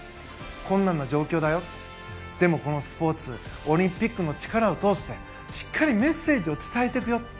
困難な状況だよでも、このスポーツオリンピックの力を通してしっかりメッセージを伝えていくよと。